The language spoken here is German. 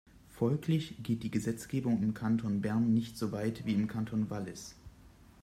Folglich geht die Gesetzgebung im Kanton Bern nicht so weit wie im Kanton Wallis.